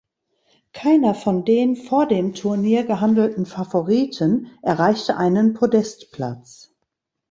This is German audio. Keiner von den vor dem Turnier gehandelten Favoriten erreichte einen Podestplatz.